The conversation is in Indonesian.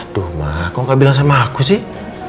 aduh mah kok gak bilang sama aku sih